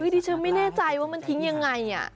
ดิฉันไม่แน่ใจว่ามันทิ้งยังไง